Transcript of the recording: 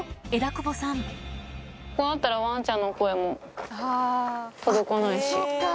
ここだったらワンちゃんの声も届かないし。